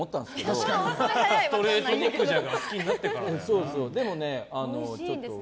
普通はストレート肉じゃがを好きになってからだよな。